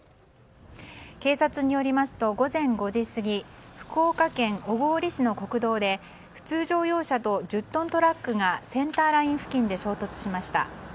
警察によりますと午前５時過ぎ福岡県小郡市の国道で普通乗用車と１０トントラックがセンターライン付近で衝突しました。